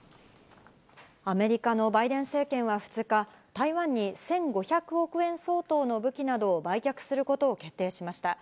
アメリカのバイデン政権は２日、台湾に１５００億円相当の武器などを売却することを決定しました。